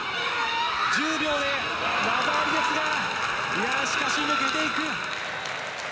１０秒で技ありですが、いやー、しかし抜けていく。